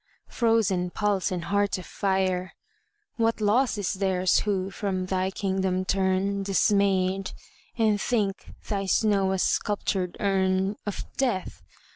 frozen pulse and heart of fire, What loss is theirs who from thy kingdom turn Dismayed, and think thy snow a sculptured urn Of death!